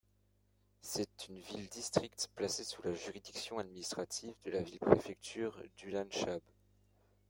C'est une ville-district placée sous la juridiction administrative de la ville-préfecture d'Ulaan Chab.